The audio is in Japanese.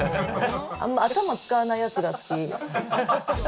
あんま頭使わないやつが好き。